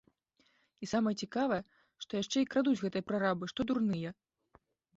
І самае цікавае, што яшчэ і крадуць гэтыя прарабы што дурныя.